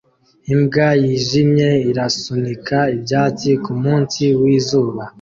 Imbwa yijimye irasunika ibyatsi kumunsi wizuba